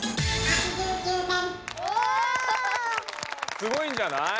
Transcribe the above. すごいんじゃない？